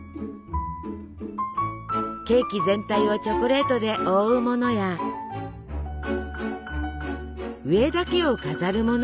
ケーキ全体をチョコレートで覆うものや上だけを飾るものも。